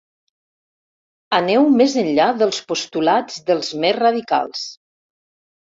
Aneu més enllà dels postulats dels més radicals.